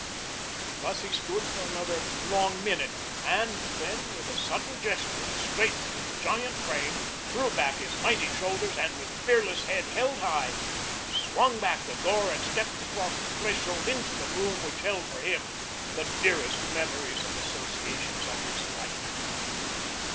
Thus he stood for another long minute, and then with a sudden gesture he straightened his giant frame, threw back his mighty shoulders and, with fearless head held high, swung back the door and stepped across the threshold into the room which held for him the dearest memories and associations of his life.